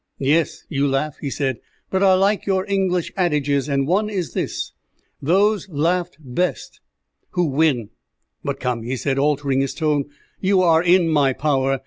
"Yes, you laugh," he said; "but I like your English adages, and one is this, 'Those laugh best who win.' But come," he said, altering his tone, "you are in my power.